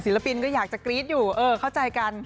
ปินก็อยากจะกรี๊ดอยู่เออเข้าใจกัน